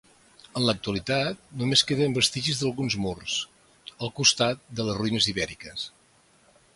En l'actualitat només queden vestigis d'alguns murs, al costat de les ruïnes ibèriques.